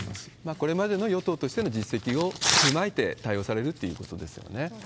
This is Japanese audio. これまでの与党としての実績を踏まえて対応されるということそうですね。